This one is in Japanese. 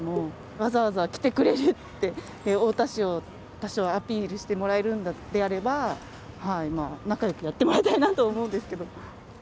わざわざ来てくれて、太田市を多少アピールしてもらえるんであれば、仲よくやってもらいたいと思うんですけれども。